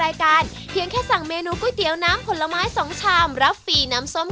วันนี้ขอบคุณเฮียมากครับขอบคุณครับ